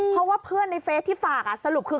เพราะว่าเพื่อนในเฟสที่ฝากสรุปคือ